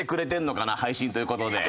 配信という事で。